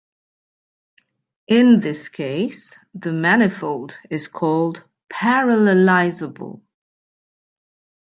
In this case, the manifold is called parallelizable.